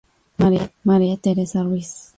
María Teresa Ruiz..